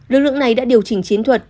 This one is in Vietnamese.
lực lượng này đã điều chỉnh chiến thuật